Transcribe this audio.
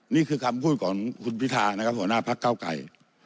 นี่คือคำพูดของคุณพิธาหัวหน้าภักดิ์เก้าไก่